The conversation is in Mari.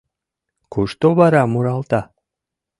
Кушто вара муралта?